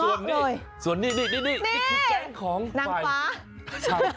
แก๊งของนางฟ้า